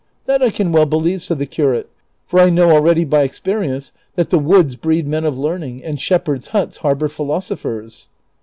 " That I can well believe," said the curate, " for I know already by experience that the woods breed men of learning, and shepherds' huts harbor philosophers."